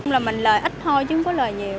là mình lợi ít thôi chứ không có lợi nhiều